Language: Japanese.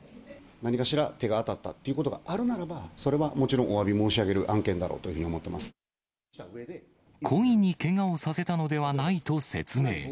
何かしら手が当たったということがあるならば、それはもちろんおわび申し上げる案件だろうというふうに思ってま故意にけがをさせたのではないと説明。